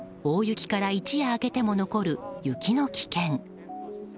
大雪から一夜明けても残る雪の危険。